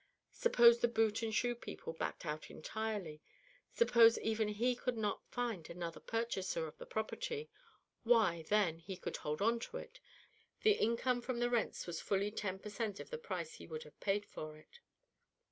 Suppose the boot and shoe people backed out entirely, suppose even he could not find another purchaser for the property, why, then, he could hold on to it; the income from the rents was fully 10 per cent. of the price he would have paid for it.